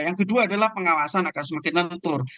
yang kedua adalah pengawasan akan semakin lentur